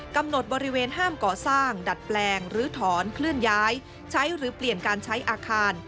บริเวณห้ามก่อสร้างดัดแปลงหรือถอนเคลื่อนย้ายใช้หรือเปลี่ยนการใช้อาคาร